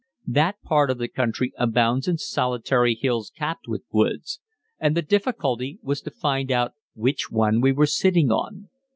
That part of the country abounds in solitary hills capped with woods, and the difficulty was to find out which one we were sitting on.